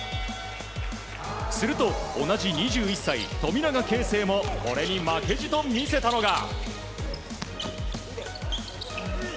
すると、同じ２１歳、富永啓生もこれに負けじと見せたのが。